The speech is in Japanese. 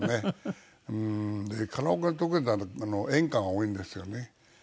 でカラオケで得意演歌が多いんですよね。